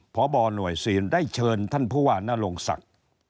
พบหน่วยซีนได้เชิญท่านผู้ว่านรงศักดิ์